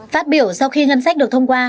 phát biểu sau khi ngân sách được thông qua